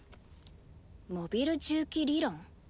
「モビル重機理論」？